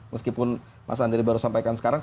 meskipun mas andri baru sampaikan sekarang